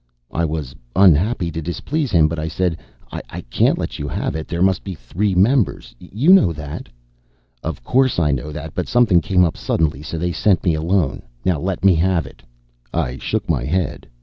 I was unhappy to displease him, but I said, "I can't let you have it. There must be three members. You know that." "Of course, I know it. But something came up suddenly, so they sent me alone. Now, let me have it." I shook my head.